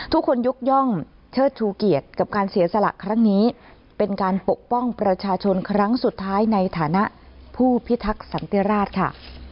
ยกย่องเชิดชูเกียรติกับการเสียสละครั้งนี้เป็นการปกป้องประชาชนครั้งสุดท้ายในฐานะผู้พิทักษ์สันติราชค่ะ